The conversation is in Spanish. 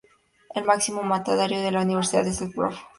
El máximo mandatario de la universidad es el Prof.